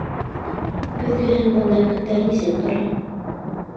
Көҙгөһөн бында көндәр нисек тора?